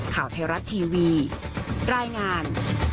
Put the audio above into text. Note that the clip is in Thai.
ข่าวไทยรัฐทีวีรายงาน